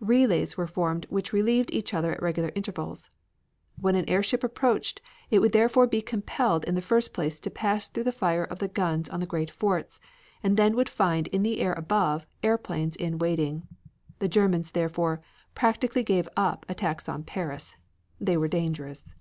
Relays were formed which relieved each other at regular intervals. When an airship approached it would therefore be compelled in the first place to pass through the fire of the guns on the great forts, and then would find in the air above airplanes in waiting. The Germans, therefore, practically gave up attacks upon Paris. They were dangerous.